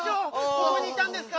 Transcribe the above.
ここにいたんですか！